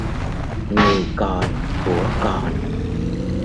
người còn của còn